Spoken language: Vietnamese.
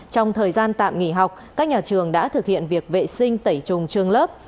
trong thời gian tạm nghỉ học các nhà trường đã thực hiện việc vệ sinh tẩy trùng trường lớp